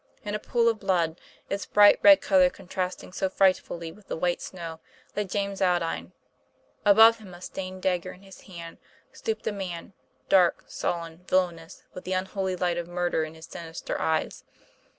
In a pool of blood, its bright red color contrasting so frightfully with the white snow, lay James Aldine. Above him, a stained dagger in his hand, stooped a man, dark, sullen, villanous, with the unholy light of murder in his sinister eyes.